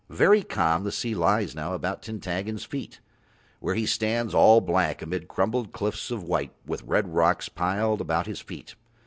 Very calm the sea lies now about Tintaggon's feet, where he stands all black amid crumbled cliffs of white, with red rocks piled about his feet.